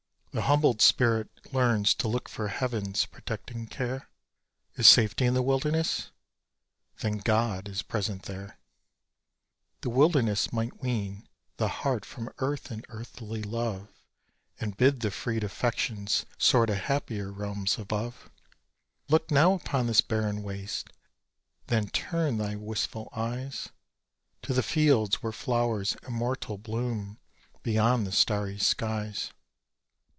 The humbled spirit learns to look for Heaven's protecting care; Is safety in the wilderness? Then God is present there. The wilderness might wean the heart from earth and earthly love; And bid the freed affections soar to happier realms above. Look now upon this barren waste, then turn thy wistful eyes To the fields where flowers immortal bloom, beyond the starry skies.